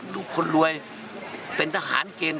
ลูกคนรวยเป็นทหารเกณฑ์